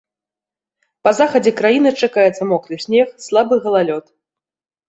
Па захадзе краіны чакаецца мокры снег, слабы галалёд.